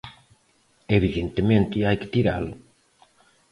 "Evidentemente, hai que tiralo".